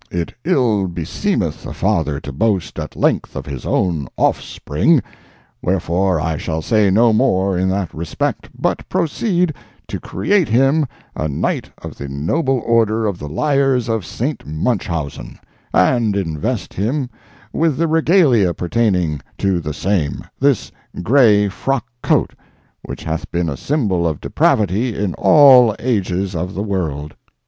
It ill beseemeth a father to boast at length of his own offspring, wherefore I shall say no more in that respect, but proceed to create him a Knight of the Noble Order of the Liars of St. Munchausen, and invest him with the regalia pertaining to the same—this gray frock coat—which hath been a symbol of depravity in all ages of the world."